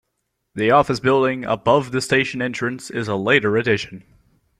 The office building above the station entrance is a later addition.